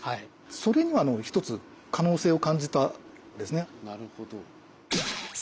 それには一つ可能性を感じたんですね。